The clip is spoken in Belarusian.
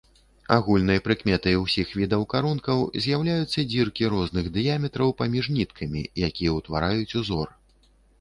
Агульнай прыкметай усіх відаў карункаў з'яўляюцца дзіркі розных дыяметраў паміж ніткамі, якія ўтвараюць ўзор.